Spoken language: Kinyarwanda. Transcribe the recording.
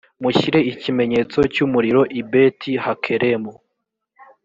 mushyire ikimenyetso cy umuriro i beti hakeremu